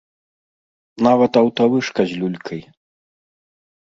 Нават аўтавышка з люлькай!